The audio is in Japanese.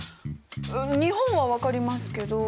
日本は分かりますけど。